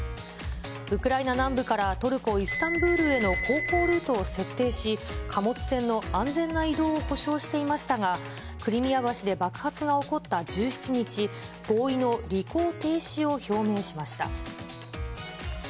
ウクライナ南部からトルコ・イスタンブールへの航行ルートを設定し、貨物船の安全な移動を保証していましたが、クリミア橋で爆発が起こった１７日、合意の履行停止を表明しました。